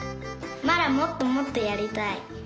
まだもっともっとやりたい！